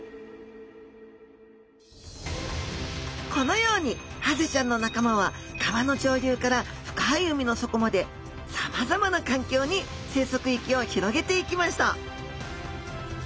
このようにハゼちゃんの仲間は川の上流から深い海の底までさまざまな環境に生息域を広げていきました